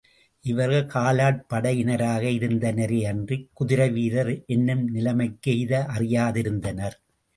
இவர்கள் காலாட் படையினராக இருந்தனரே அன்றிக் குதிரைவீரர் என்னும் நிலைமை எய்த அறியாதிருந்தனர்.